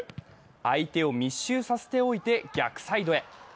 相手を密集させておいて逆サイドへ。